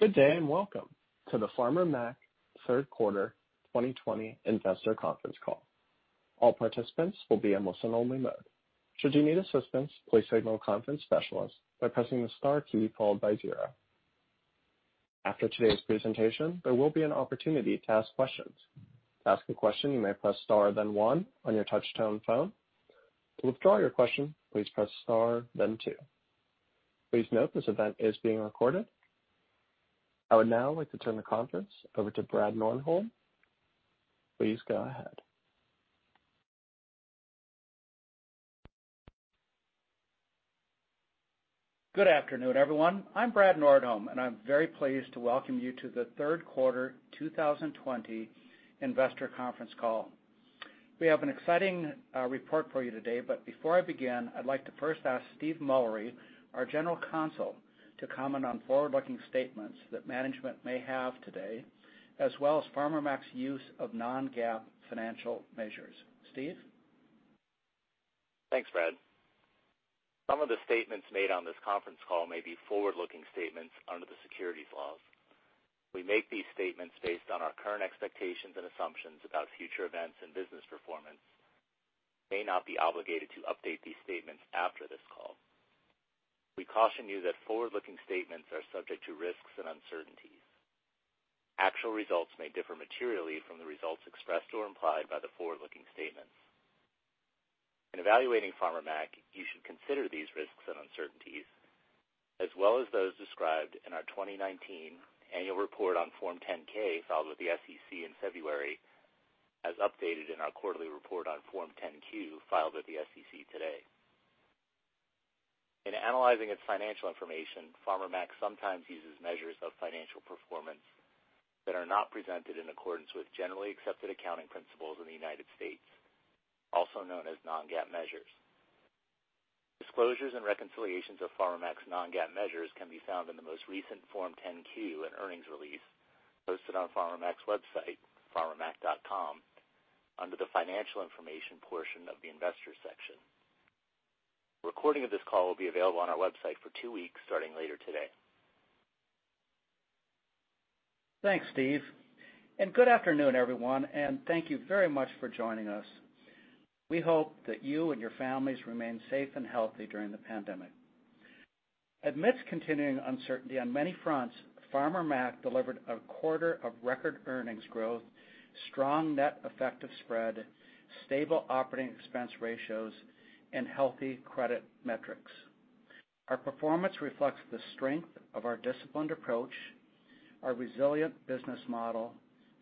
Good day, welcome to the Farmer Mac third quarter 2020 investor conference call. All participants will be in listen only mode. Should you need assistance, please signal a conference specialist by pressing the star key followed by zero. After today's presentation, there will be an opportunity to ask questions. To ask a question, you may press star then one on your touch-tone phone. To withdraw your question, please press star then two. Please note this event is being recorded. I would now like to turn the conference over to Bradford Nordholm. Please go ahead. Good afternoon, everyone. I'm Bradford Nordholm. I'm very pleased to welcome you to the third quarter 2020 investor conference call. We have an exciting report for you today. Before I begin, I'd like to first ask Steve Mullery, our general counsel, to comment on forward-looking statements that management may have today, as well as Farmer Mac's use of non-GAAP financial measures. Steve? Thanks, Bradford. Some of the statements made on this conference call may be forward-looking statements under the securities laws. We make these statements based on our current expectations and assumptions about future events and business performance. We may not be obligated to update these statements after this call. We caution you that forward-looking statements are subject to risks and uncertainties. Actual results may differ materially from the results expressed or implied by the forward-looking statements. In evaluating Farmer Mac, you should consider these risks and uncertainties, as well as those described in our 2019 annual report on Form 10-K filed with the SEC in February, as updated in our quarterly report on Form 10-Q filed with the SEC today. In analyzing its financial information, Farmer Mac sometimes uses measures of financial performance that are not presented in accordance with generally accepted accounting principles in the United States, also known as non-GAAP measures. Disclosures and reconciliations of Farmer Mac's non-GAAP measures can be found in the most recent Form 10-Q and earnings release posted on Farmer Mac's website, farmermac.com, under the financial information portion of the investor section. A recording of this call will be available on our website for two weeks starting later today. Thanks, Steve, and good afternoon, everyone, and thank you very much for joining us. We hope that you and your families remain safe and healthy during the pandemic. Amidst continuing uncertainty on many fronts, Farmer Mac delivered a quarter of record earnings growth, strong net effective spread, stable operating expense ratios, and healthy credit metrics. Our performance reflects the strength of our disciplined approach, our resilient business model,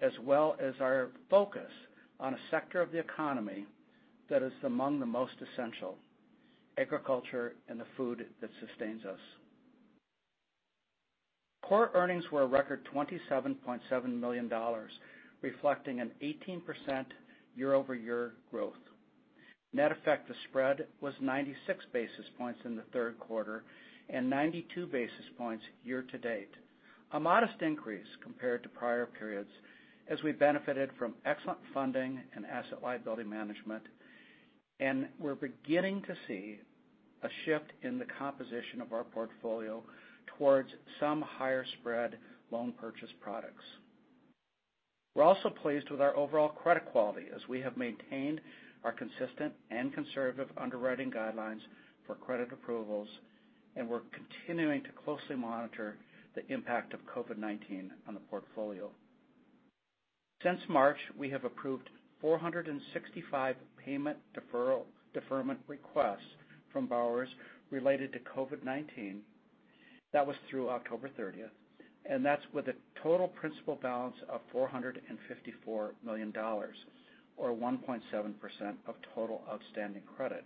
as well as our focus on a sector of the economy that is among the most essential, agriculture and the food that sustains us. core earnings were a record $27.7 million, reflecting an 18% year-over-year growth. net effective spread was 96 basis points in the third quarter and 92 basis points year-to-date. A modest increase compared to prior periods as we benefited from excellent funding and asset liability management. We're beginning to see a shift in the composition of our portfolio towards some higher spread loan purchase products. We're also pleased with our overall credit quality as we have maintained our consistent and conservative underwriting guidelines for credit approvals. We're continuing to closely monitor the impact of COVID-19 on the portfolio. Since March, we have approved 465 payment deferment requests from borrowers related to COVID-19. That was through October 30th, and that's with a total principal balance of $454 million, or 1.7% of total outstanding credit.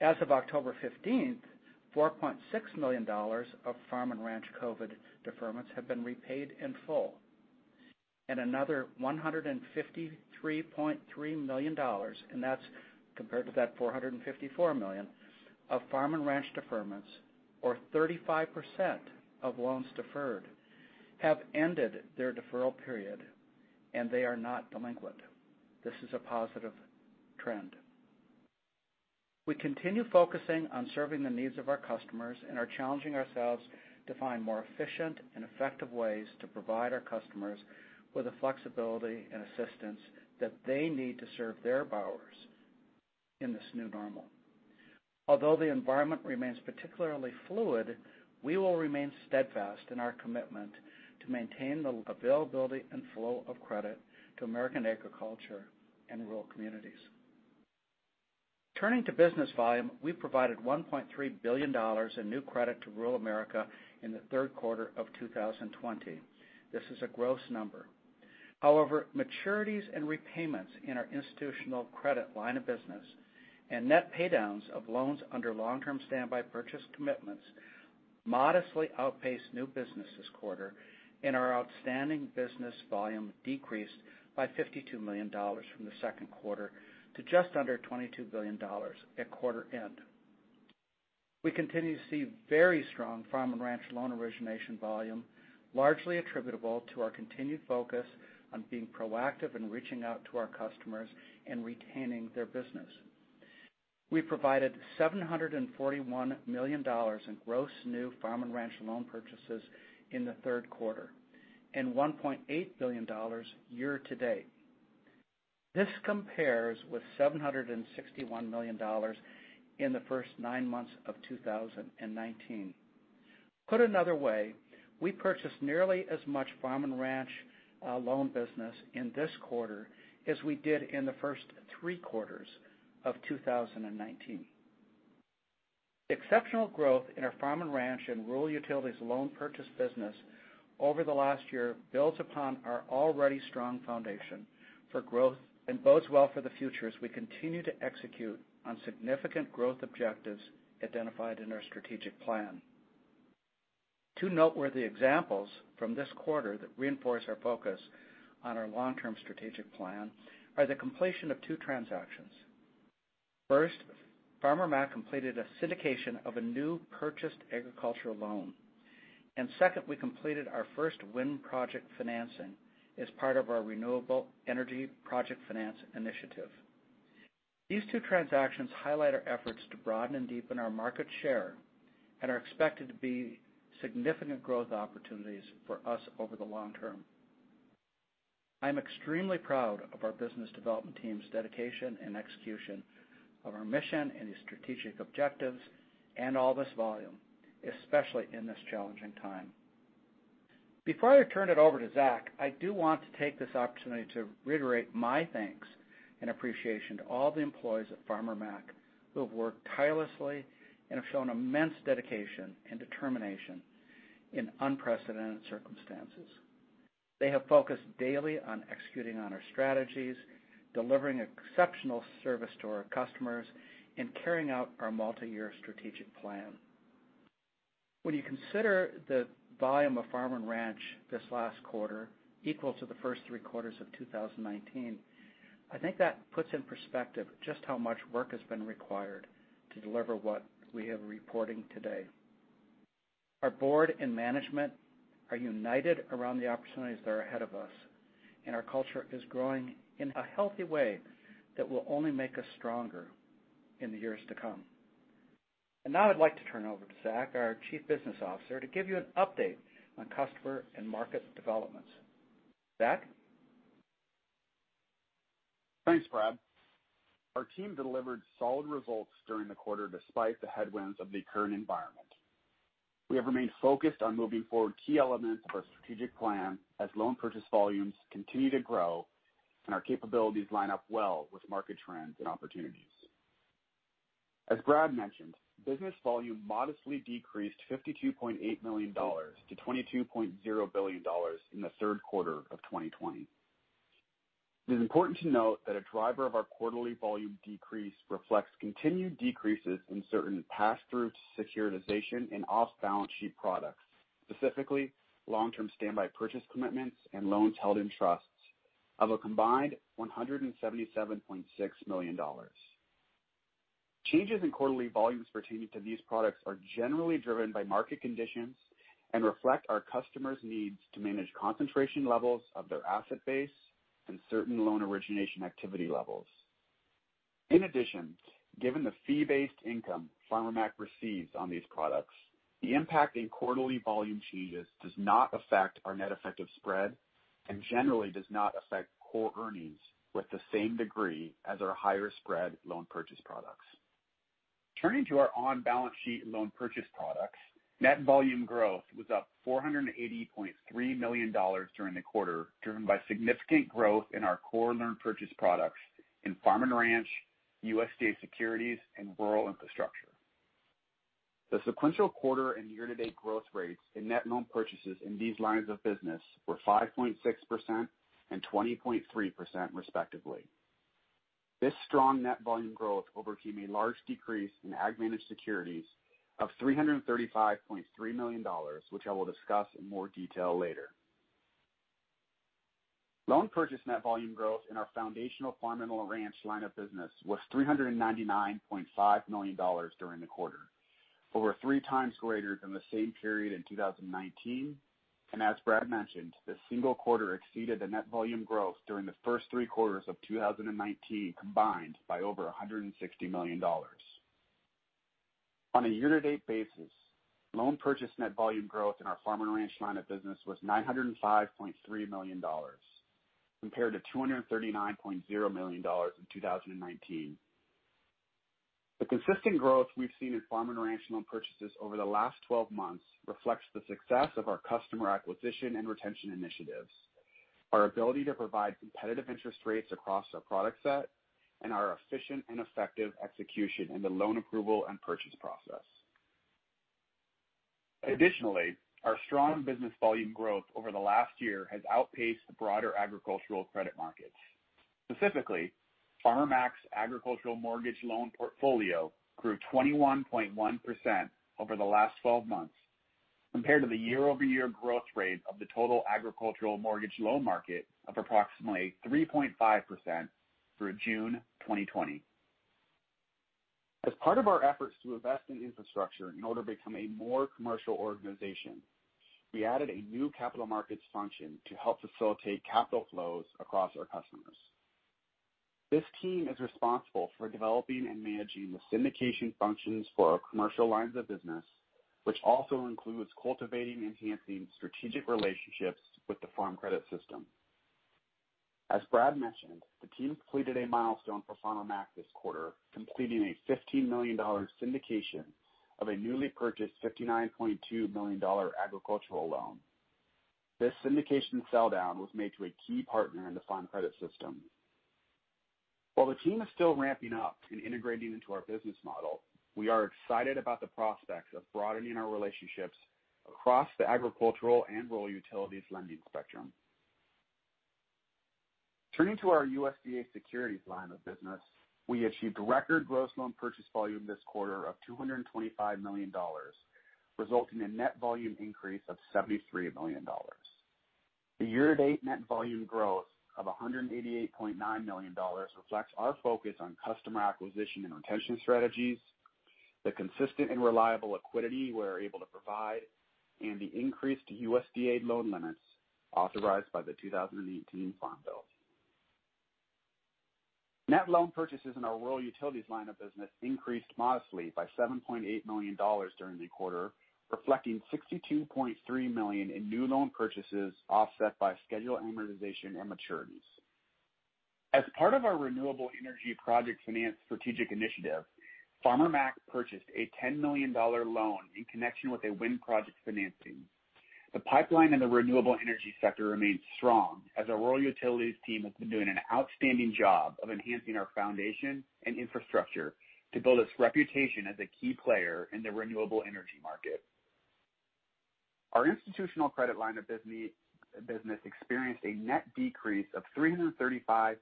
As of October 15th, $4.6 million of farm and ranch COVID deferments have been repaid in full. Another $153.3 million, and that's compared to that $454 million of farm and ranch deferments, or 35% of loans deferred, have ended their deferral period, and they are not delinquent. This is a positive trend. We continue focusing on serving the needs of our customers and are challenging ourselves to find more efficient and effective ways to provide our customers with the flexibility and assistance that they need to serve their borrowers in this new normal. Although the environment remains particularly fluid, we will remain steadfast in our commitment to maintain the availability and flow of credit to American agriculture and rural communities. Turning to business volume, we provided $1.3 billion in new credit to rural America in the third quarter of 2020. This is a gross number. However, maturities and repayments in our institutional credit line of business and net paydowns of loans under long-term standby purchase commitments modestly outpaced new business this quarter, and our outstanding business volume decreased by $52 million from the second quarter to just under $22 billion at quarter end. We continue to see very strong farm and ranch loan origination volume, largely attributable to our continued focus on being proactive and reaching out to our customers and retaining their business. We provided $741 million in gross new farm and ranch loan purchases in the third quarter, and $1.8 billion year to date. This compares with $761 million in the first nine months of 2019. Put another way, we purchased nearly as much farm and ranch loan business in this quarter as we did in the first three quarters of 2019. Exceptional growth in our farm and ranch and rural utilities loan purchase business over the last year builds upon our already strong foundation for growth and bodes well for the future as we continue to execute on significant growth objectives identified in our strategic plan. Two noteworthy examples from this quarter that reinforce our focus on our long-term strategic plan are the completion of two transactions. First, Farmer Mac completed a syndication of a new purchased agricultural loan. Second, we completed our first wind project financing as part of our renewable energy project finance initiative. These two transactions highlight our efforts to broaden and deepen our market share and are expected to be significant growth opportunities for us over the long term. I'm extremely proud of our business development team's dedication and execution of our mission and the strategic objectives and all this volume, especially in this challenging time. Before I turn it over to Zachary, I do want to take this opportunity to reiterate my thanks and appreciation to all the employees at Farmer Mac who have worked tirelessly and have shown immense dedication and determination in unprecedented circumstances. They have focused daily on executing on our strategies, delivering exceptional service to our customers, and carrying out our multi-year strategic plan. When you consider the volume of farm and ranch this last quarter equal to the first three quarters of 2019, I think that puts in perspective just how much work has been required to deliver what we are reporting today. Our board and management are united around the opportunities that are ahead of us, and our culture is growing in a healthy way that will only make us stronger in the years to come. Now I'd like to turn over to Zachary, our Chief Business Officer, to give you an update on customer and market developments. Zachary? Thanks, Bradford. Our team delivered solid results during the quarter despite the headwinds of the current environment. We have remained focused on moving forward key elements of our strategic plan as loan purchase volumes continue to grow and our capabilities line up well with market trends and opportunities. As Bradford mentioned, business volume modestly decreased $52.8 million-$22.0 billion in the third quarter of 2020. It is important to note that a driver of our quarterly volume decrease reflects continued decreases in certain pass-through securitization and off-balance-sheet products, specifically long-term standby purchase commitments and loans held in trusts, of a combined $177.6 million. Changes in quarterly volumes pertaining to these products are generally driven by market conditions and reflect our customers' needs to manage concentration levels of their asset base and certain loan origination activity levels. In addition, given the fee-based income Farmer Mac receives on these products, the impact in quarterly volume changes does not affect our net effective spread and generally does not affect core earnings with the same degree as our higher spread loan purchase products. Turning to our on-balance-sheet loan purchase products, net volume growth was up $480.3 million during the quarter, driven by significant growth in our core loan purchase products in farm and ranch, USDA securities, and rural infrastructure. The sequential quarter and year-to-date growth rates in net loan purchases in these lines of business were 5.6%-20.3%, respectively. This strong net volume growth overcame a large decrease in Ag managed securities of $335.3 million, which I will discuss in more detail later. Loan purchase net volume growth in our foundational Farm and Ranch line of business was $399.5 million during the quarter, over three times greater than the same period in 2019. As Bradford mentioned, this single quarter exceeded the net volume growth during the first three quarters of 2019 combined by over $160 million. On a year-to-date basis, loan purchase net volume growth in our Farm and Ranch line of business was $905.3 million, compared to $239.0 million in 2019. The consistent growth we've seen in Farm and Ranch loan purchases over the last 12 months reflects the success of our customer acquisition and retention initiatives, our ability to provide competitive interest rates across our product set, and our efficient and effective execution in the loan approval and purchase process. Additionally, our strong business volume growth over the last year has outpaced the broader agricultural credit markets. Specifically, Farmer Mac's agricultural mortgage loan portfolio grew 21.1% over the last 12 months compared to the year-over-year growth rate of the total agricultural mortgage loan market of approximately 3.5% through June 2020. As part of our efforts to invest in infrastructure in order to become a more commercial organization, we added a new capital markets function to help facilitate capital flows across our customers. This team is responsible for developing and managing the syndication functions for our commercial lines of business, which also includes cultivating and enhancing strategic relationships with the Farm Credit System. As Bradford mentioned, the team completed a milestone for Farmer Mac this quarter, completing a $15 million syndication of a newly purchased $59.2 million agricultural loan. This syndication sell down was made to a key partner in the Farm Credit System. While the team is still ramping up and integrating into our business model, we are excited about the prospects of broadening our relationships across the agricultural and rural utilities lending spectrum. Turning to our USDA securities line of business, we achieved record gross loan purchase volume this quarter of $225 million, resulting in net volume increase of $73 million. The year-to-date net volume growth of $188.9 million reflects our focus on customer acquisition and retention strategies, the consistent and reliable liquidity we're able to provide, and the increased USDA loan limits authorized by the 2018 Farm Bill. Net loan purchases in our rural utilities line of business increased modestly by $7.8 million during the quarter, reflecting $62.3 million in new loan purchases, offset by scheduled amortization and maturities. As part of our renewable energy project finance strategic initiative, Farmer Mac purchased a $10 million loan in connection with a wind project financing. The pipeline in the renewable energy sector remains strong as our rural utilities team has been doing an outstanding job of enhancing our foundation and infrastructure to build its reputation as a key player in the renewable energy market. Our institutional credit line of business experienced a net decrease of $335.3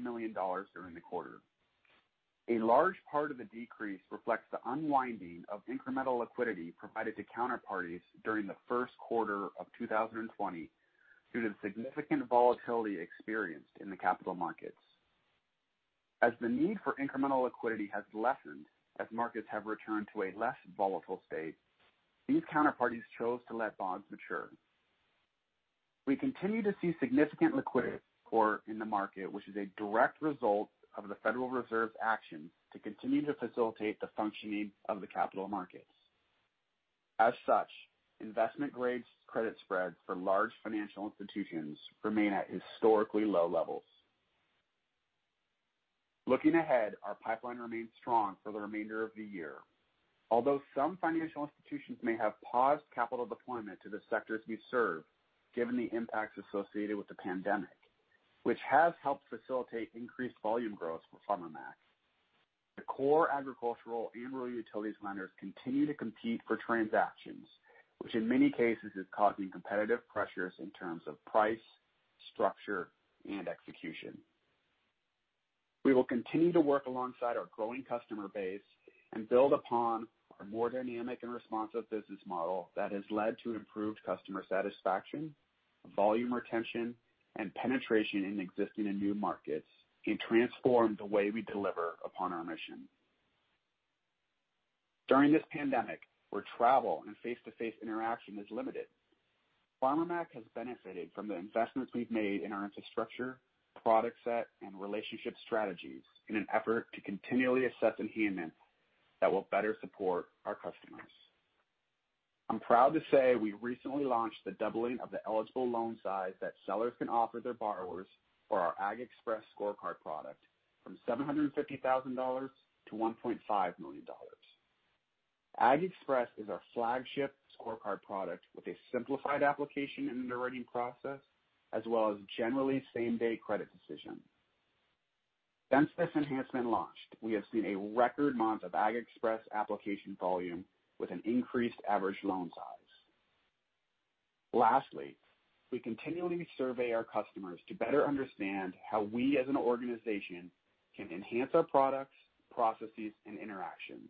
million during the quarter. A large part of the decrease reflects the unwinding of incremental liquidity provided to counterparties during the first quarter of 2020 due to the significant volatility experienced in the capital markets. As the need for incremental liquidity has lessened as markets have returned to a less volatile state, these counterparties chose to let bonds mature. We continue to see significant liquidity support in the market, which is a direct result of the Federal Reserve's action to continue to facilitate the functioning of the capital markets. As such, investment-grade credit spreads for large financial institutions remain at historically low levels. Looking ahead, our pipeline remains strong for the remainder of the year. Although some financial institutions may have paused capital deployment to the sectors we serve, given the impacts associated with the pandemic, which has helped facilitate increased volume growth for Farmer Mac. The core agricultural and rural utilities lenders continue to compete for transactions, which in many cases is causing competitive pressures in terms of price, structure, and execution. We will continue to work alongside our growing customer base and build upon our more dynamic and responsive business model that has led to improved customer satisfaction, volume retention, and penetration in existing and new markets and transform the way we deliver upon our mission. During this pandemic, where travel and face-to-face interaction is limited, Farmer Mac has benefited from the investments we've made in our infrastructure, product set, and relationship strategies in an effort to continually assess enhancements that will better support our customers. I'm proud to say we recently launched the doubling of the eligible loan size that sellers can offer their borrowers for our AgXpress Scorecard product from $750,000-$1.5 million. AgXpress is our flagship Scorecard product with a simplified application and underwriting process, as well as generally same-day credit decision. Since this enhancement launched, we have seen a record month of AgXpress application volume with an increased average loan size. Lastly, we continually survey our customers to better understand how we as an organization can enhance our products, processes, and interactions.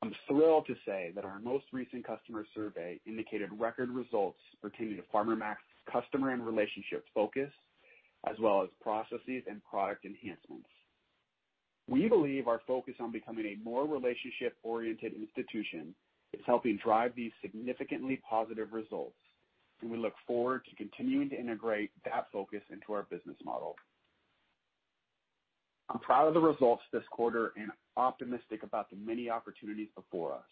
I'm thrilled to say that our most recent customer survey indicated record results pertaining to Farmer Mac's customer and relationship focus, as well as processes and product enhancements. We believe our focus on becoming a more relationship-oriented institution is helping drive these significantly positive results, and we look forward to continuing to integrate that focus into our business model. I'm proud of the results this quarter and optimistic about the many opportunities before us.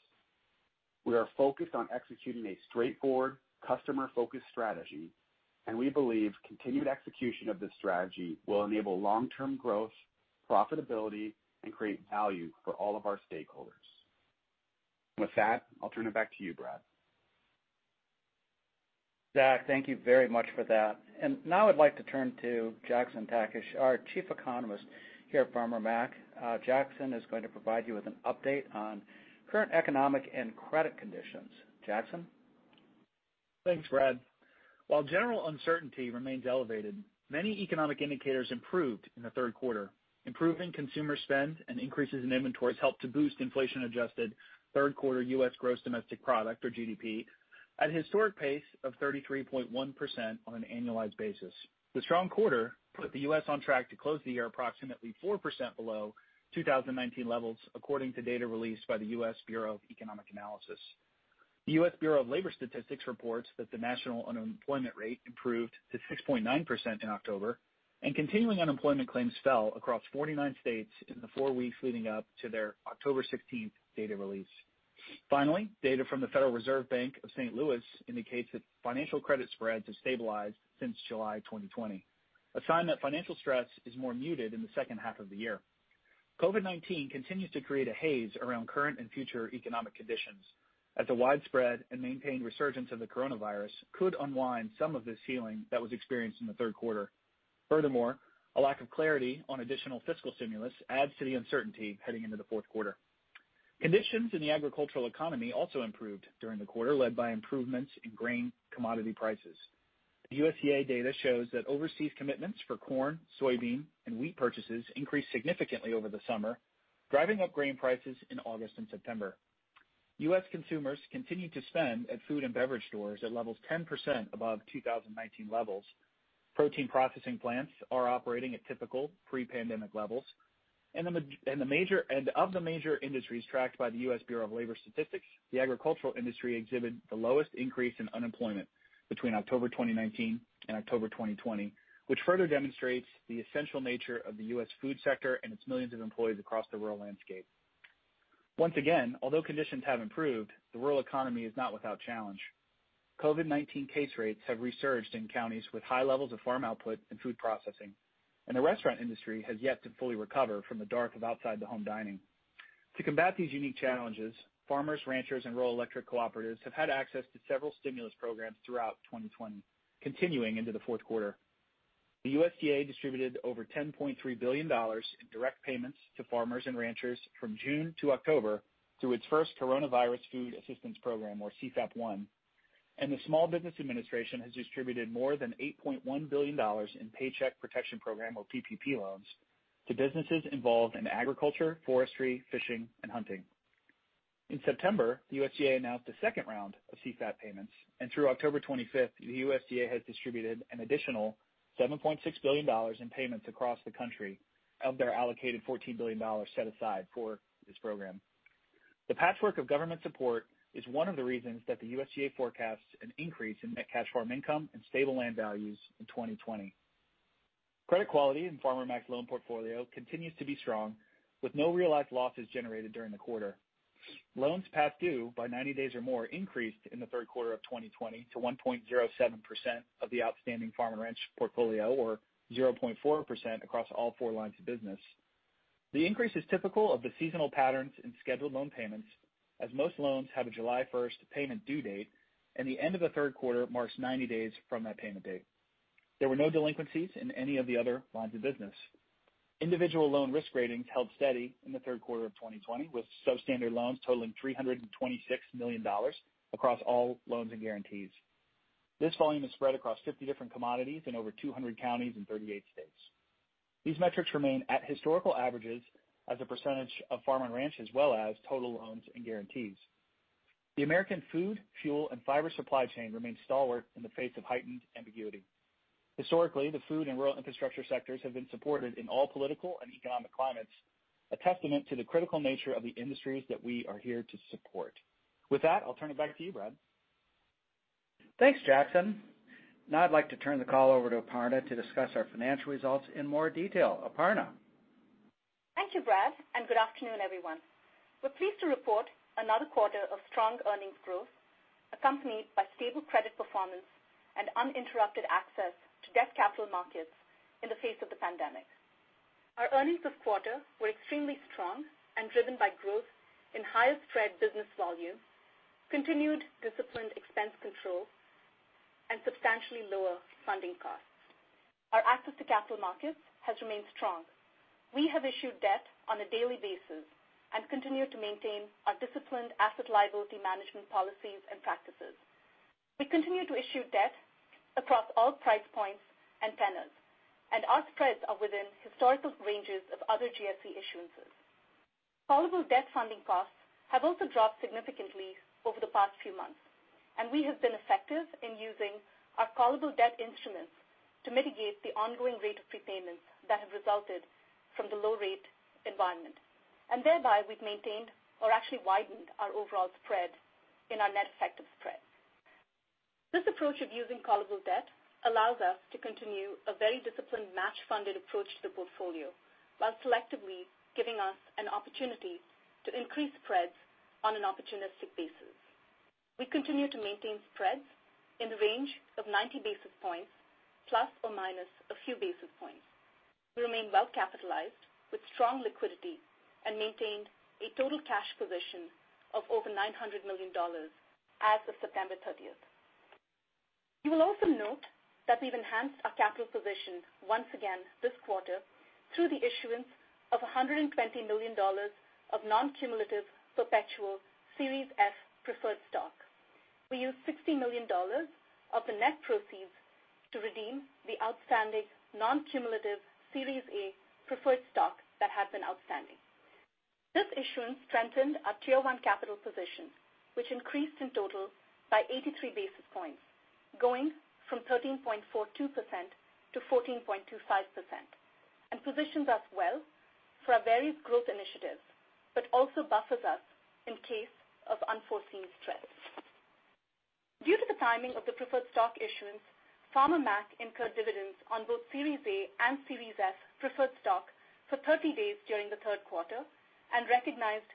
We are focused on executing a straightforward, customer-focused strategy, and we believe continued execution of this strategy will enable long-term growth, profitability, and create value for all of our stakeholders. With that, I'll turn it back to you, Bradford. Zach, thank you very much for that. Now I'd like to turn to Jackson Takach, our Chief Economist here at Farmer Mac. Jackson is going to provide you with an update on current economic and credit conditions. Jackson? Thanks, Bradford. While general uncertainty remains elevated, many economic indicators improved in the third quarter. Improving consumer spend and increases in inventories helped to boost inflation-adjusted third quarter U.S. gross domestic product, or GDP, at a historic pace of 33.1% on an annualized basis. The strong quarter put the U.S. on track to close the year approximately 4% below 2019 levels, according to data released by the U.S. Bureau of Economic Analysis. The U.S. Bureau of Labor Statistics reports that the national unemployment rate improved to 6.9% in October, and continuing unemployment claims fell across 49 states in the four weeks leading up to their October 16th data release. Finally, data from the Federal Reserve Bank of St. Louis indicates that financial credit spreads have stabilized since July 2020, a sign that financial stress is more muted in the second half of the year. COVID-19 continues to create a haze around current and future economic conditions, as a widespread and maintained resurgence of the coronavirus could unwind some of this healing that was experienced in the third quarter. Furthermore, a lack of clarity on additional fiscal stimulus adds to the uncertainty heading into the fourth quarter. Conditions in the agricultural economy also improved during the quarter, led by improvements in grain commodity prices. The USDA data shows that overseas commitments for corn, soybean, and wheat purchases increased significantly over the summer, driving up grain prices in August and September. U.S. consumers continued to spend at food and beverage stores at levels 10% above 2019 levels. Protein processing plants are operating at typical pre-pandemic levels. Of the major industries tracked by the U.S. Bureau of Labor Statistics, the agricultural industry exhibited the lowest increase in unemployment between October 2019 and October 2020, which further demonstrates the essential nature of the U.S. food sector and its millions of employees across the rural landscape. Once again, although conditions have improved, the rural economy is not without challenge. COVID-19 case rates have resurged in counties with high levels of farm output and food processing, and the restaurant industry has yet to fully recover from the dark of outside-the-home dining. To combat these unique challenges, farmers, ranchers, and rural electric cooperatives have had access to several stimulus programs throughout 2020, continuing into the fourth quarter. The USDA distributed over $10.3 billion in direct payments to farmers and ranchers from June to October through its first Coronavirus Food Assistance Program, or CFAP 1, and the Small Business Administration has distributed more than $8.1 billion in Paycheck Protection Program, or PPP, loans to businesses involved in agriculture, forestry, fishing, and hunting. In September, the USDA announced a second round of CFAP payments, and through October 25th, the USDA has distributed an additional $7.6 billion in payments across the country of their allocated $14 billion set aside for this program. The patchwork of government support is one of the reasons that the USDA forecasts an increase in net cash farm income and stable land values in 2020. Credit quality in Farmer Mac's loan portfolio continues to be strong, with no realized losses generated during the quarter. Loans past due by 90 days or more increased in the third quarter of 2020 to 1.07% of the outstanding farm and ranch portfolio, or 0.4% across all four lines of business. The increase is typical of the seasonal patterns in scheduled loan payments, as most loans have a July 1st payment due date, and the end of the third quarter marks 90 days from that payment date. There were no delinquencies in any of the other lines of business. Individual loan risk ratings held steady in the third quarter of 2020, with substandard loans totaling $326 million across all loans and guarantees. This volume is spread across 50 different commodities in over 200 counties in 38 states. These metrics remain at historical averages as a percentage of farm and ranch, as well as total loans and guarantees. The American food, fuel, and fiber supply chain remains stalwart in the face of heightened ambiguity. Historically, the food and rural infrastructure sectors have been supported in all political and economic climates, a testament to the critical nature of the industries that we are here to support. With that, I'll turn it back to you, Bradford. Thanks, Jackson. Now I'd like to turn the call over to Aparna to discuss our financial results in more detail. Aparna? Thank you, Bradford, and good afternoon, everyone. We're pleased to report another quarter of strong earnings growth accompanied by stable credit performance and uninterrupted access to debt capital markets in the face of the pandemic. Our earnings this quarter were extremely strong and driven by growth in higher spread business volume, continued disciplined expense control, and substantially lower funding costs. Our access to capital markets has remained strong. We have issued debt on a daily basis and continue to maintain our disciplined asset liability management policies and practices. We continue to issue debt across all price points and tenors, and our spreads are within historical ranges of other GSE issuances. Callable debt funding costs have also dropped significantly over the past few months, and we have been effective in using our callable debt instruments to mitigate the ongoing rate of prepayments that have resulted from the low rate environment. Thereby, we've maintained or actually widened our overall spread in our net effective spread. This approach of using callable debt allows us to continue a very disciplined match funded approach to the portfolio while selectively giving us an opportunity to increase spreads on an opportunistic basis. We continue to maintain spreads in the range of 90 basis points plus or minus a few basis points. We remain well capitalized with strong liquidity and maintained a total cash position of over $900 million as of September 30th. You will also note that we've enhanced our capital position once again this quarter through the issuance of $120 million of non-cumulative perpetual Series F preferred stock. We used $60 million of the net proceeds to redeem the outstanding non-cumulative Series A preferred stock that had been outstanding. This issuance strengthened our Tier One capital position, which increased in total by 83 basis points, going from 13.42%-14.25%. Positions us well for our various growth initiatives, but also buffers us in case of unforeseen stress. Due to the timing of the preferred stock issuance, Farmer Mac incurred dividends on both Series A preferred stock and Series F preferred stock for 30 days during the third quarter, and recognized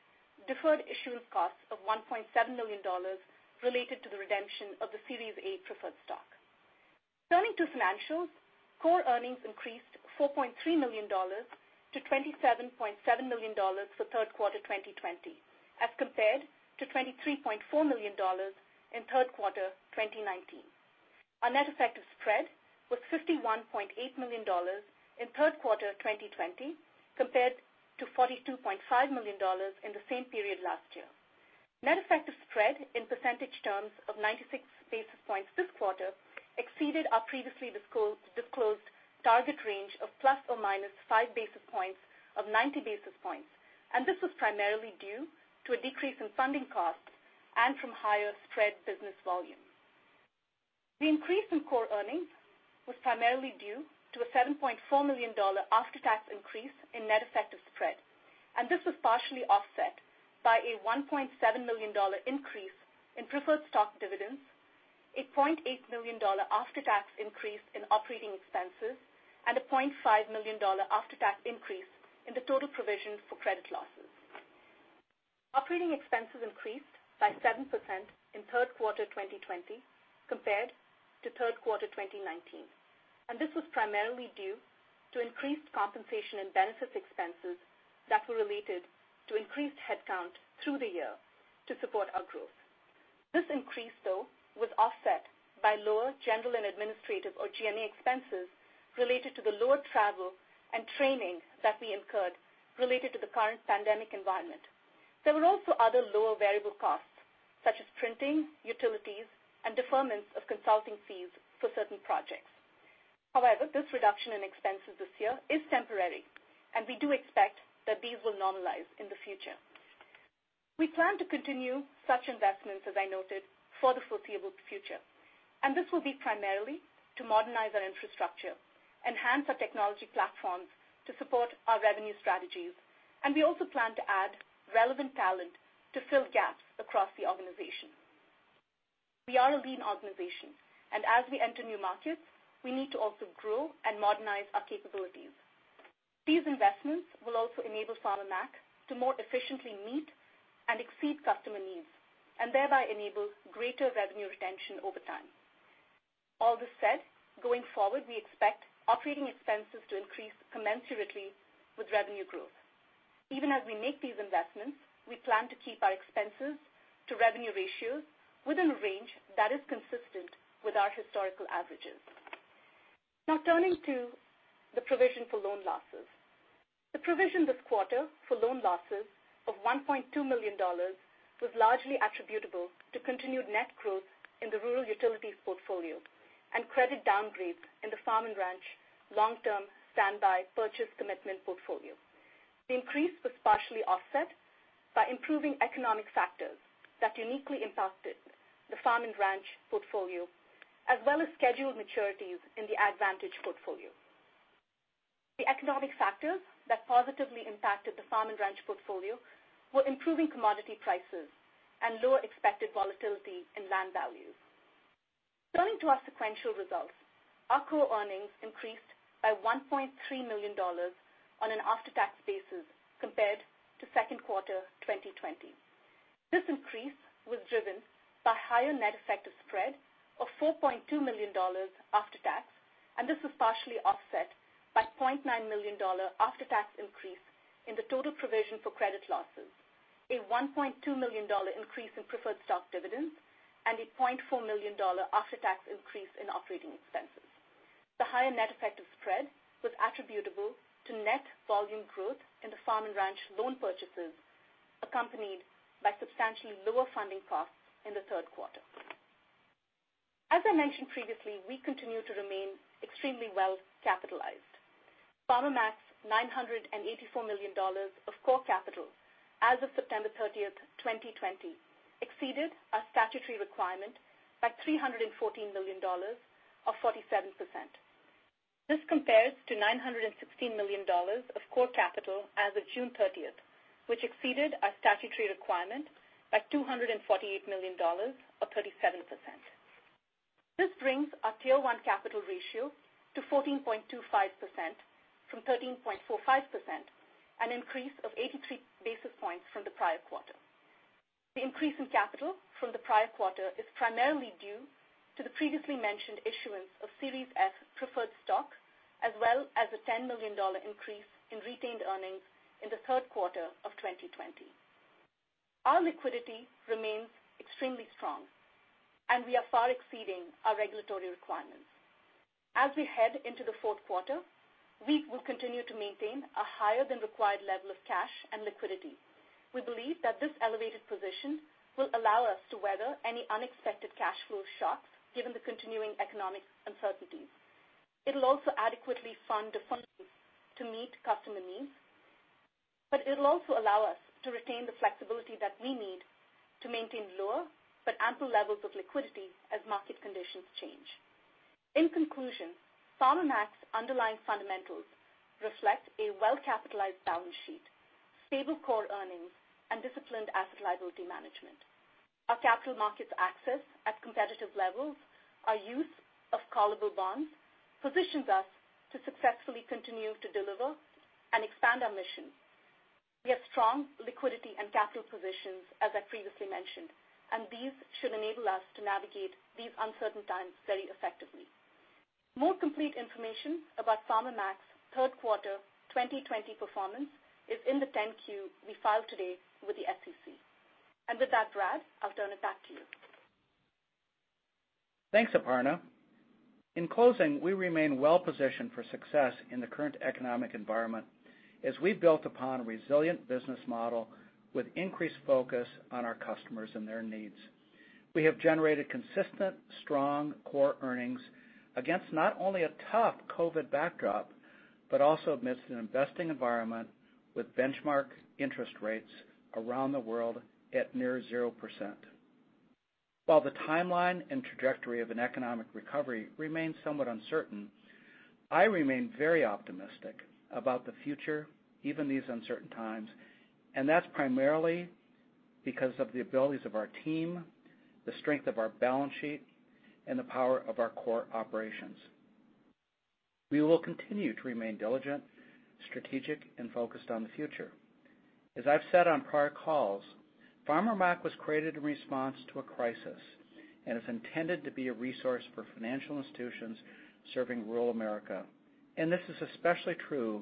deferred issuance costs of $1.7 million related to the redemption of the Series A preferred stock. Turning to financials, core earnings increased $4.3 million-$27.7 million for third quarter 2020, as compared to $23.4 million in third quarter 2019. Our net effective spread was $51.8 million in third quarter 2020 compared to $42.5 million in the same period last year. Net effective spread in percentage terms of 96 basis points this quarter exceeded our previously disclosed target range of ±5 basis points of 90 basis points, and this was primarily due to a decrease in funding costs and from higher spread business volume. The increase in core earnings was primarily due to a $7.4 million after-tax increase in net effective spread, and this was partially offset by a $1.7 million increase in preferred stock dividends, a $0.8 million after-tax increase in operating expenses, and a $0.5 million after-tax increase in the total provision for credit losses. Operating expenses increased by 7% in third quarter 2020 compared to third quarter 2019, and this was primarily due to increased compensation and benefits expenses that were related to increased headcount through the year to support our growth. This increase, though, was offset by lower general and administrative or G&A expenses related to the lower travel and training that we incurred related to the current pandemic environment. There were also other lower variable costs, such as printing, utilities, and deferments of consulting fees for certain projects. This reduction in expenses this year is temporary, and we do expect that these will normalize in the future. We plan to continue such investments, as I noted, for the foreseeable future, and this will be primarily to modernize our infrastructure, enhance our technology platforms to support our revenue strategies, and we also plan to add relevant talent to fill gaps across the organization. We are a lean organization, and as we enter new markets, we need to also grow and modernize our capabilities. These investments will also enable Farmer Mac to more efficiently meet and exceed customer needs, thereby enable greater revenue retention over time. All this said, going forward, we expect operating expenses to increase commensurately with revenue growth. Even as we make these investments, we plan to keep our expenses to revenue ratios within a range that is consistent with our historical averages. Turning to the provision for loan losses. The provision this quarter for loan losses of $1.2 million was largely attributable to continued net growth in the rural utilities portfolio and credit downgrades in the farm and ranch long-term standby purchase commitment portfolio. The increase was partially offset by improving economic factors that uniquely impacted the farm and ranch portfolio, as well as scheduled maturities in the AgVantage portfolio. The economic factors that positively impacted the farm and ranch portfolio were improving commodity prices and lower expected volatility in land values. Turning to our sequential results. Our core earnings increased by $1.3 million on an after-tax basis compared to second quarter 2020. This increase was driven by higher net effective spread of $4.2 million after tax, and this was partially offset by $0.9 million after-tax increase in the total provision for credit losses, a $1.2 million increase in preferred stock dividends, and a $0.4 million after-tax increase in operating expenses. The higher net effective spread was attributable to net volume growth in the farm and ranch loan purchases, accompanied by substantially lower funding costs in the third quarter. As I mentioned previously, we continue to remain extremely well capitalized. Farmer Mac's $984 million of core capital as of September 30th, 2020, exceeded our statutory requirement by $314 million or 47%. This compares to $916 million of core capital as of June 30th, which exceeded our statutory requirement by $248 million or 37%. This brings our Tier One capital ratio to 14.25%-13.45%, an increase of 83 basis points from the prior quarter. The increase in capital from the prior quarter is primarily due to the previously mentioned issuance of Series F preferred stock, as well as a $10 million increase in retained earnings in the third quarter of 2020. Our liquidity remains extremely strong, and we are far exceeding our regulatory requirements. As we head into the fourth quarter, we will continue to maintain a higher than required level of cash and liquidity. We believe that this elevated position will allow us to weather any unexpected cash flow shocks given the continuing economic uncertainties. It'll also adequately fund to meet customer needs. It'll also allow us to retain the flexibility that we need to maintain lower but ample levels of liquidity as market conditions change. In conclusion, Farmer Mac's underlying fundamentals reflect a well-capitalized balance sheet, stable core earnings, and disciplined asset liability management. Our capital markets access at competitive levels, our use of callable bonds positions us to successfully continue to deliver and expand our mission. We have strong liquidity and capital positions, as I previously mentioned. These should enable us to navigate these uncertain times very effectively. More complete information about Farmer Mac's third quarter 2020 performance is in the 10-Q we filed today with the SEC. With that, Bradford, I'll turn it back to you. Thanks, Aparna. In closing, we remain well-positioned for success in the current economic environment as we built upon a resilient business model with increased focus on our customers and their needs. We have generated consistent, strong core earnings against not only a tough COVID backdrop, but also amidst an investing environment with benchmark interest rates around the world at near 0%. While the timeline and trajectory of an economic recovery remains somewhat uncertain, I remain very optimistic about the future, even these uncertain times, and that's primarily because of the abilities of our team, the strength of our balance sheet, and the power of our core operations. We will continue to remain diligent, strategic, and focused on the future. As I've said on prior calls, Farmer Mac was created in response to a crisis and is intended to be a resource for financial institutions serving rural America, and this is especially true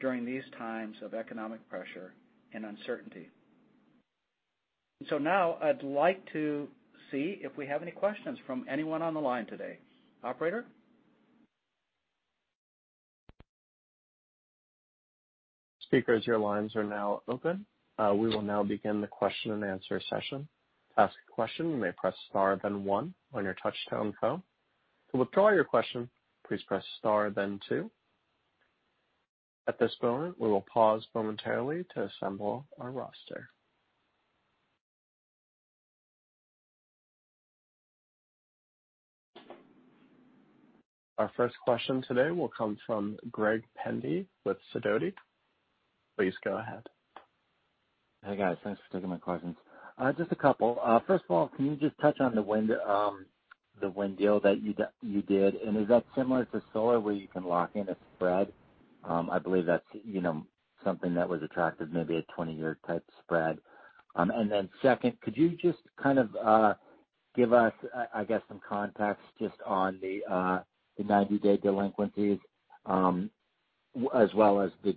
during these times of economic pressure and uncertainty. Now I'd like to see if we have any questions from anyone on the line today. Operator? Our first question today will come from Greg Pendy with Sidoti. Please go ahead. Hey, guys. Thanks for taking my questions. Just a couple. First of all, can you just touch on the wind deal that you did, and is that similar to solar, where you can lock in a spread? I believe that's something that was attractive, maybe a 20-year type spread. Second, could you just kind of give us, I guess, some context just on the 90-day delinquencies as well as the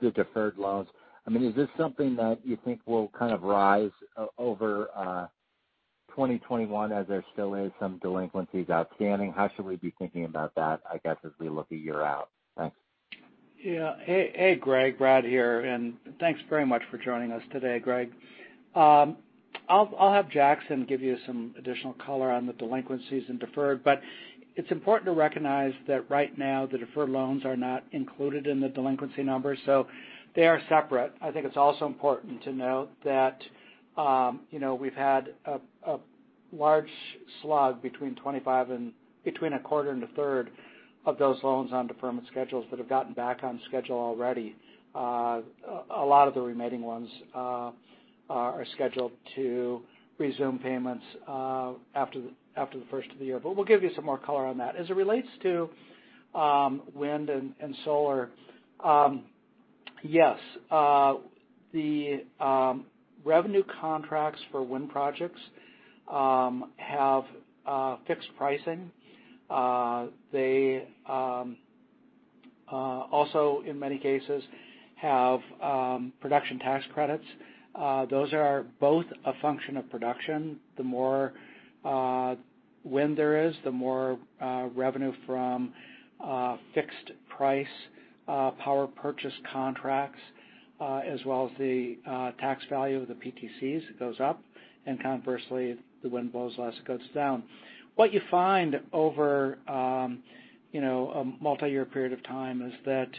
deferred loans. Is this something that you think will kind of rise over 2021 as there still is some delinquencies outstanding? How should we be thinking about that, I guess, as we look a year out? Thanks. Hey, Greg. Bradford here. Thanks very much for joining us today, Greg. I'll have Jackson give you some additional color on the delinquencies and deferred. It's important to recognize that right now the deferred loans are not included in the delinquency numbers, so they are separate. I think it's also important to note that we've had a large slug between a quarter and a third of those loans on deferment schedules that have gotten back on schedule already. A lot of the remaining ones are scheduled to resume payments after the first of the year. We'll give you some more color on that. As it relates to wind and solar, yes. The revenue contracts for wind projects have fixed pricing. They also, in many cases, have production tax credits. Those are both a function of production. The more wind there is, the more revenue from fixed price power purchase contracts as well as the tax value of the PTCs goes up. Conversely, if the wind blows less, it goes down. What you find over a multi-year period of time is that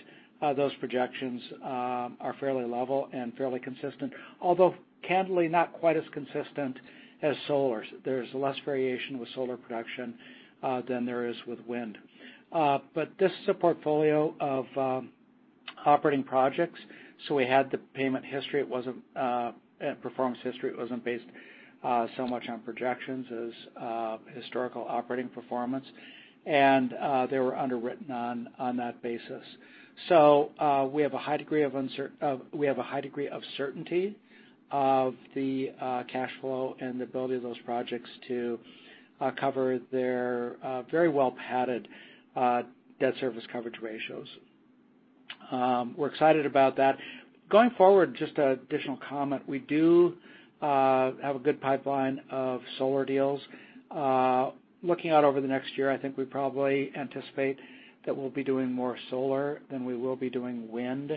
those projections are fairly level and fairly consistent. Although candidly not quite as consistent as solar's. There's less variation with solar production than there is with wind. This is a portfolio of operating projects, so we had the payment history. It wasn't performance history. It wasn't based so much on projections as historical operating performance. They were underwritten on that basis. We have a high degree of certainty of the cash flow and the ability of those projects to cover their very well-padded debt service coverage ratios. We're excited about that. Going forward, just an additional comment. We do have a good pipeline of solar deals. Looking out over the next year, I think we probably anticipate that we'll be doing more solar than we will be doing wind.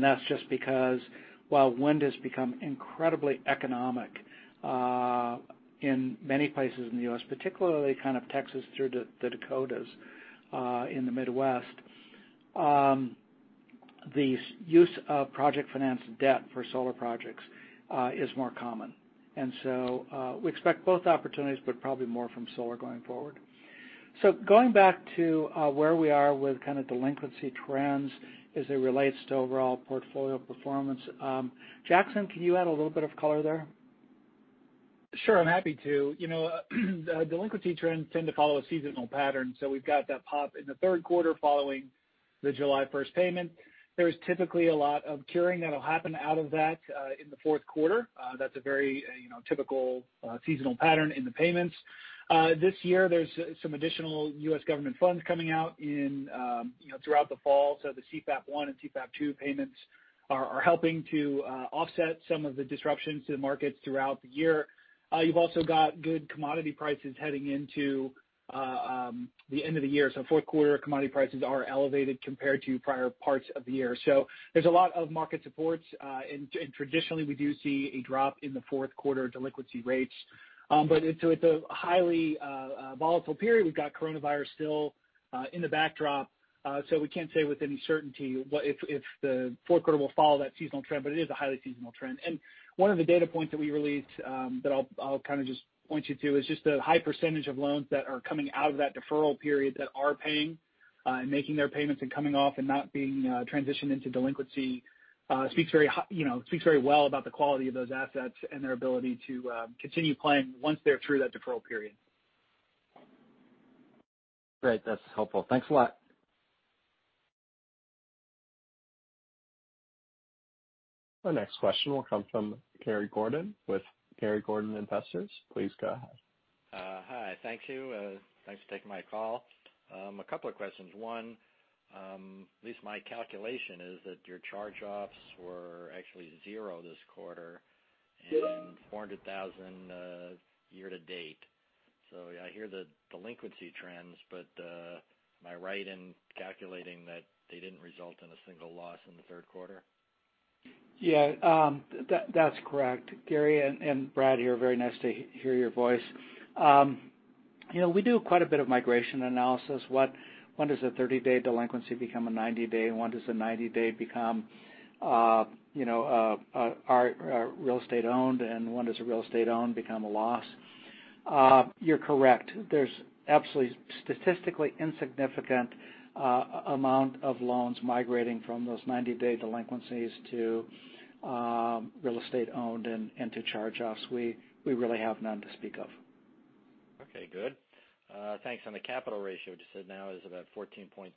That's just because while wind has become incredibly economic in many places in the U.S., particularly kind of Texas through the Dakotas in the Midwest, the use of project finance debt for solar projects is more common. We expect both opportunities, but probably more from solar going forward. Going back to where we are with kind of delinquency trends as it relates to overall portfolio performance. Jackson, can you add a little bit of color there? Sure, I'm happy to. Delinquency trends tend to follow a seasonal pattern. We've got that pop in the third quarter following the July 1st payment. There's typically a lot of curing that'll happen out of that in the fourth quarter. That's a very typical seasonal pattern in the payments. This year there's some additional U.S. government funds coming out throughout the fall. The CFAP 1 and CFAP 2 payments are helping to offset some of the disruptions to the markets throughout the year. You've also got good commodity prices heading into the end of the year. Fourth quarter commodity prices are elevated compared to prior parts of the year. There's a lot of market supports. Traditionally we do see a drop in the fourth quarter delinquency rates. It's a highly volatile period. We've got coronavirus still in the backdrop. We can't say with any certainty if the fourth quarter will follow that seasonal trend, but it is a highly seasonal trend. One of the data points that we released that I'll kind of just point you to is just the high percentage of loans that are coming out of that deferral period that are paying and making their payments and coming off and not being transitioned into delinquency speaks very well about the quality of those assets and their ability to continue playing once they're through that deferral period. Great. That's helpful. Thanks a lot. Our next question will come from Gary Gordon with Gary Gordon & Investors. Please go ahead. Hi, thank you. Thanks for taking my call. A couple of questions. One, at least my calculation is that your charge-offs were actually zero this quarter and $400,000 year to date. I hear the delinquency trends, but am I right in calculating that they didn't result in a single loss in the third quarter? Yeah. That's correct. Gary and Bradford here, very nice to hear your voice. We do quite a bit of migration analysis. When does a 30-day delinquency become a 90-day, and when does a 90-day become real estate owned, and when does a real estate owned become a loss? You're correct. There's absolutely statistically insignificant amount of loans migrating from those 90-day delinquencies to real estate owned and to charge-offs. We really have none to speak of. Good. Thanks. On the capital ratio, you said now is about 14.3%.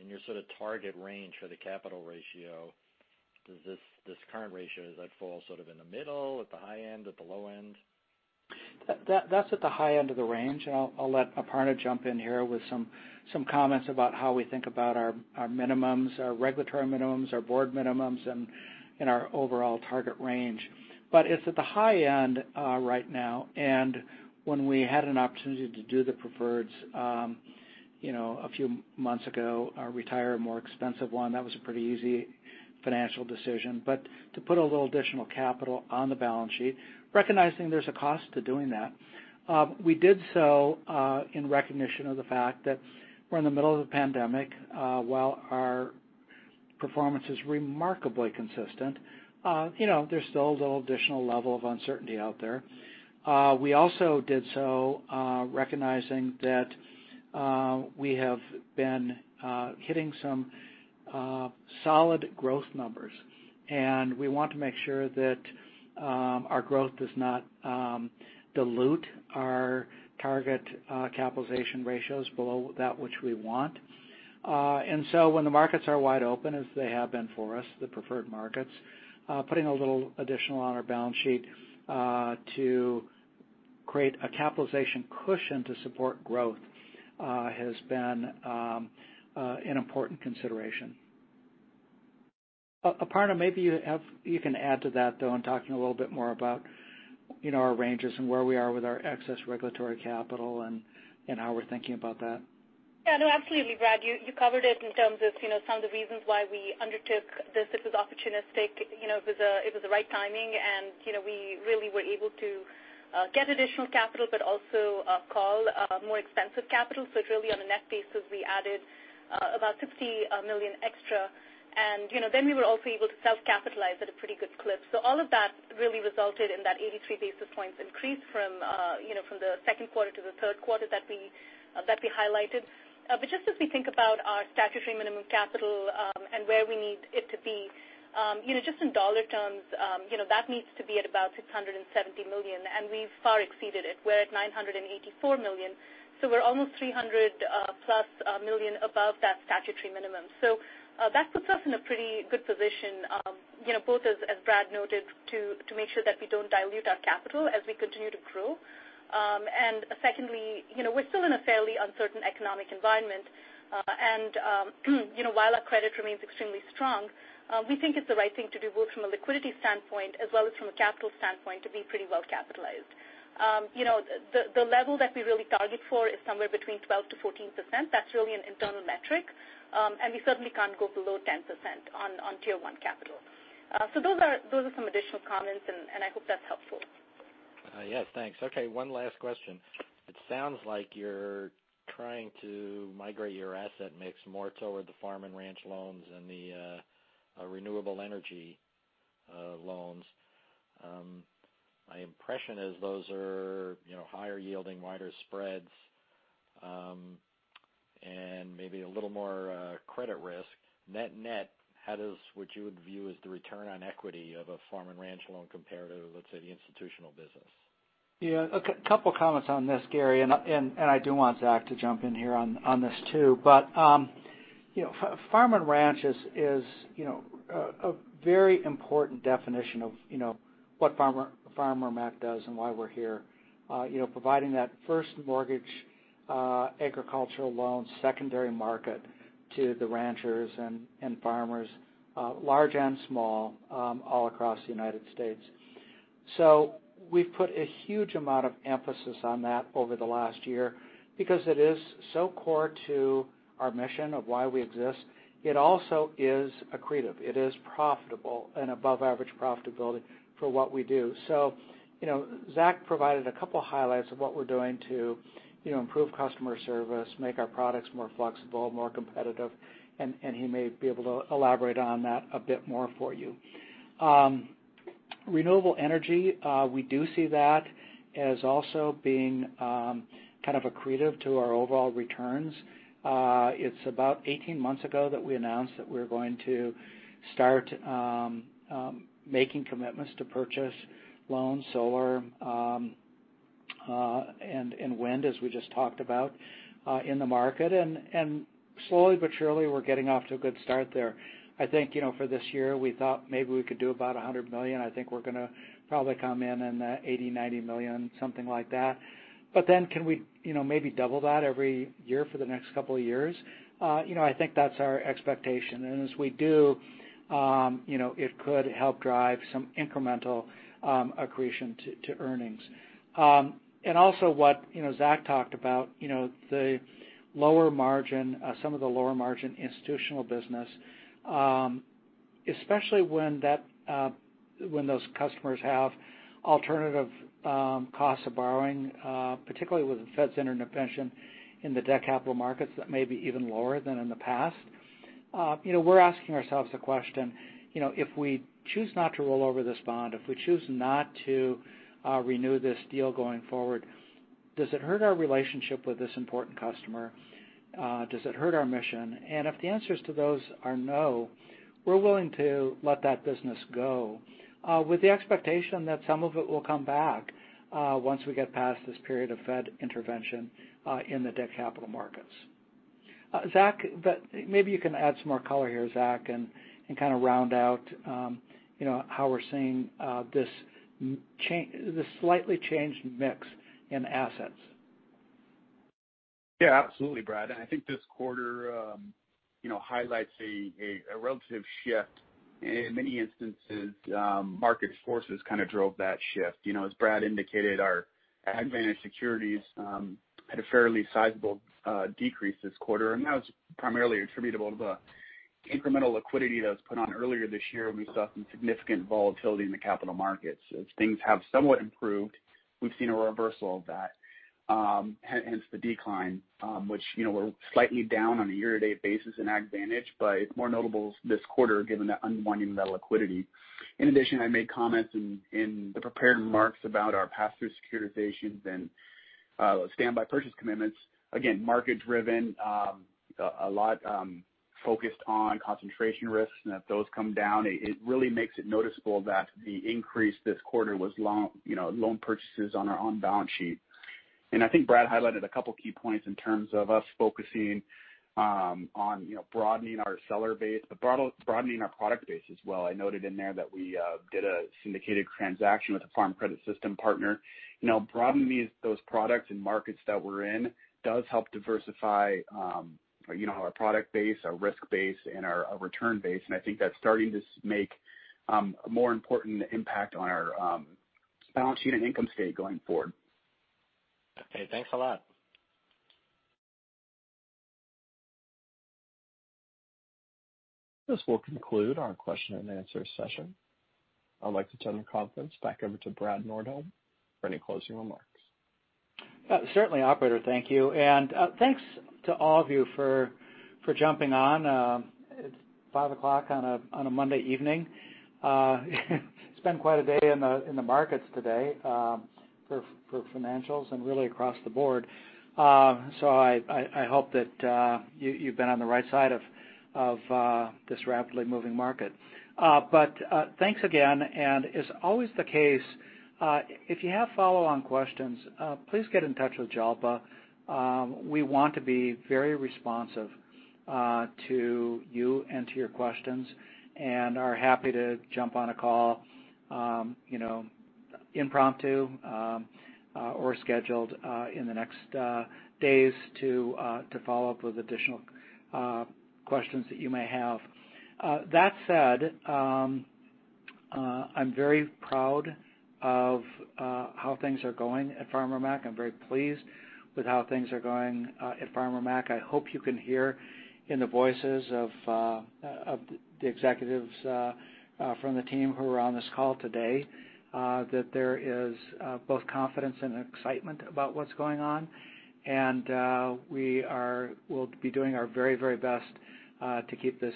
In your sort of target range for the capital ratio, does that fall sort of in the middle, at the high end, at the low end? That's at the high end of the range. I'll let Aparna jump in here with some comments about how we think about our minimums, our regulatory minimums, our board minimums, and our overall target range. It's at the high end right now. When we had an opportunity to do the preferreds a few months ago, retire a more expensive one, that was a pretty easy financial decision. To put a little additional capital on the balance sheet, recognizing there's a cost to doing that. We did so in recognition of the fact that we're in the middle of the pandemic. While our performance is remarkably consistent, there's still a little additional level of uncertainty out there. We also did so recognizing that we have been hitting some solid growth numbers. We want to make sure that our growth does not dilute our target capitalization ratios below that which we want. When the markets are wide open as they have been for us, the preferred markets, putting a little additional on our balance sheet to create a capitalization cushion to support growth has been an important consideration. Aparna, maybe you can add to that, though, in talking a little bit more about our ranges and where we are with our excess regulatory capital and how we're thinking about that. Yeah, no, absolutely, Bradford. You covered it in terms of some of the reasons why we undertook this. This was opportunistic. It was the right timing. We really were able to get additional capital but also call more expensive capital. It's really on a net basis, we added about $60 million extra. We were also able to self-capitalize at a pretty good clip. All of that really resulted in that 83 basis points increase from the second quarter to the third quarter that we highlighted. Just as we think about our statutory minimum capital and where we need it to be just in dollar terms that needs to be at about $670 million. We've far exceeded it. We're at $984 million. We're almost $300-plus million above that statutory minimum. That puts us in a pretty good position both as Bradford noted to make sure that we don't dilute our capital as we continue to grow. Secondly, we're still in a fairly uncertain economic environment. While our credit remains extremely strong, we think it's the right thing to do both from a liquidity standpoint as well as from a capital standpoint to be pretty well capitalized. The level that we really target for is somewhere between 12%-14%. That's really an internal metric. We certainly can't go below 10% on Tier 1 capital. Those are some additional comments, and I hope that's helpful. Yes, thanks. Okay, one last question. It sounds like you're trying to migrate your asset mix more toward the farm and ranch loans and the renewable energy loans. My impression is those are higher yielding, wider spreads, and maybe a little more credit risk. Net net, how does what you would view as the return on equity of a farm and ranch loan compare to, let's say, the institutional business? Yeah. A couple of comments on this, Gary, and I do want Zachary to jump in here on this too. Farm and ranch is a very important definition of what Farmer Mac does and why we're here. Providing that first mortgage agricultural loan secondary market to the ranchers and farmers, large and small, all across the United States. We've put a huge amount of emphasis on that over the last year because it is so core to our mission of why we exist. It also is accretive. It is profitable and above average profitability for what we do. Zachary provided a couple highlights of what we're doing to improve customer service, make our products more flexible, more competitive, and he may be able to elaborate on that a bit more for you. Renewable energy, we do see that as also being kind of accretive to our overall returns. It's about 18 months ago that we announced that we're going to start making commitments to purchase loans, solar, and wind, as we just talked about, in the market. Slowly but surely, we're getting off to a good start there. I think for this year, we thought maybe we could do about $100 million. I think we're going to probably come in in the $80 million-$90 million, something like that. Can we maybe double that every year for the next couple of years? I think that's our expectation. As we do, it could help drive some incremental accretion to earnings. Also what Zachary talked about, some of the lower margin institutional business, especially when those customers have alternative costs of borrowing, particularly with the Fed's intervention in the debt capital markets that may be even lower than in the past. We're asking ourselves the question, if we choose not to roll over this bond, if we choose not to renew this deal going forward, does it hurt our relationship with this important customer? Does it hurt our mission? If the answers to those are no, we're willing to let that business go with the expectation that some of it will come back once we get past this period of Fed intervention in the debt capital markets. Zachary, maybe you can add some more color here and kind of round out how we're seeing this slightly changed mix in assets. Yeah. Absolutely, Bradford. I think this quarter highlights a relative shift. In many instances, market forces kind of drove that shift. As Bradford indicated, our AgVantage securities had a fairly sizable decrease this quarter, and that was primarily attributable to the incremental liquidity that was put on earlier this year when we saw some significant volatility in the capital markets. As things have somewhat improved, we've seen a reversal of that, hence the decline, which we're slightly down on a year-to-date basis in AgVantage, but it's more notable this quarter given the unwinding of that liquidity. In addition, I made comments in the prepared remarks about our pass-through securitizations and standby purchase commitments. Again, market driven, a lot focused on concentration risks, and if those come down, it really makes it noticeable that the increase this quarter was loan purchases on our own balance sheet. I think Bradford highlighted a couple of key points in terms of us focusing on broadening our seller base, but broadening our product base as well. I noted in there that we did a syndicated transaction with a Farm Credit System partner. Broadening those products and markets that we're in does help diversify our product base, our risk base, and our return base. I think that's starting to make a more important impact on our balance sheet and income statement going forward. Okay, thanks a lot. This will conclude our question and answer session. I'd like to turn the conference back over to Bradford Nordholm for any closing remarks. Certainly, operator. Thank you. Thanks to all of you for jumping on. It's 5:00 P.M. on a Monday evening. It's been quite a day in the markets today for financials and really across the board. I hope that you've been on the right side of this rapidly moving market. Thanks again, and as always the case, if you have follow-on questions, please get in touch with Jalpa. We want to be very responsive to you and to your questions, and are happy to jump on a call impromptu or scheduled in the next days to follow up with additional questions that you may have. That said, I'm very proud of how things are going at Farmer Mac. I'm very pleased with how things are going at Farmer Mac. I hope you can hear in the voices of the executives from the team who are on this call today that there is both confidence and excitement about what's going on. We'll be doing our very best to keep this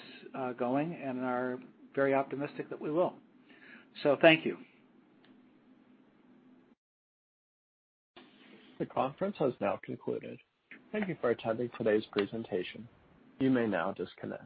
going and are very optimistic that we will. Thank you. The conference has now concluded. Thank you for attending today's presentation. You may now disconnect.